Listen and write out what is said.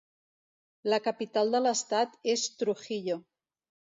La capital de l'estat és Trujillo.